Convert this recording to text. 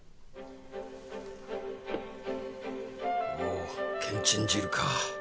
おおけんちん汁か。